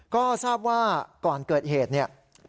ก็ทราบว่าก่อนเกิดเหตุเนี่ย